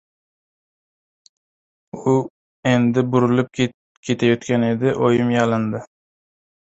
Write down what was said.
U endi burilib ketayotgan edi, oyim yalindi: